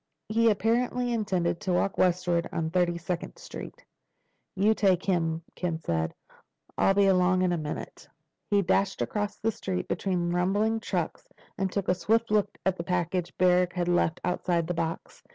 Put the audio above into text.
He apparently intended to walk eastward on Thirty second Street. "You take him," Ken said. "I'll be along in a minute." He dashed across the street, between rumbling trucks, and took a swift look at the package Barrack had left outside the box.